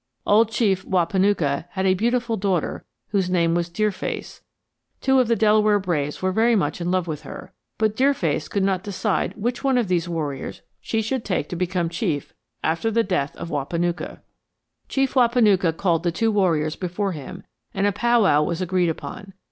"Old Chief Wahpanucka had a beautiful daughter whose name was Deerface; two of the Delaware braves were much in love with her, but Deerface could not decide which one of these warriors she should take to become Chief after the death of Wahpanucka. "Chief Wahpanucka called the two warriors before him and a powwow was agreed upon.